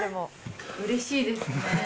うれしいですね。